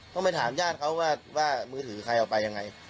ต้องไปถามญาติเขาว่ามือถือใครเอาไปยังไง